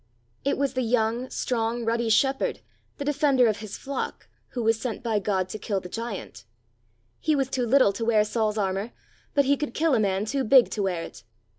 It the young, strong, ruddy shepherd, the defender of his flock, who was sent by God to kill the giant! He was too little to wear Saul's armour; but he could kill a man too big to wear it!